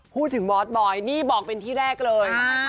พูดถึงบอยนี่บอกเป็นที่แรกเลย